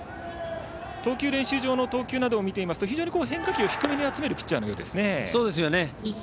投球練習場などでの投球を見ていますと非常に変化球を低めに集めるピッチャーのようですね。